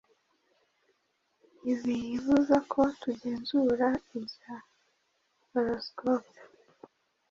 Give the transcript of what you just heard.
ntibibuza ko tugenzura ibya horoscope